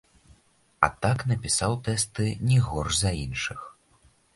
А так напісаў тэсты не горш за іншых.